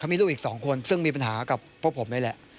มีลูกอีก๒คนซึ่งมีปัญหากับพวกผมนี่แหละ